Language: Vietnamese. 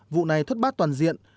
vụ này thất bát toàn diện